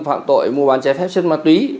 phạm tội mua bán trái phép chất ma túy